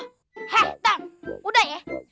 heh tong udah ya